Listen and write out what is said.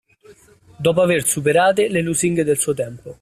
Dopo aver superate le lusinghe del suo tempo